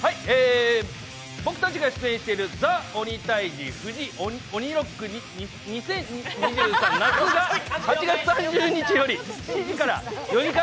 僕たちが出演している「ＴＨＥ鬼タイジ」フジ鬼ロック２０２３夏が８月３０日、７時から４時間